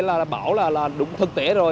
là báo là đúng thực tế rồi